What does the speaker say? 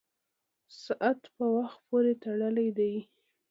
سرعت په وخت پورې تړلی دی.